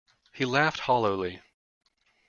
He laughed hollowly.